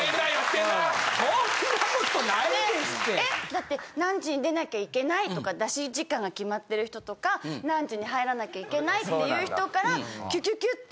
だって何時に出なきゃいけないとか出し時間が決まってる人とか何時に入らなきゃいけないっていう人からキュキュキュって。